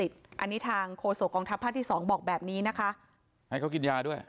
มีสารเสพติดอันนี้ทางโคสุฯกองทัพรัพย์ที่๒บอกแบบนี้นะ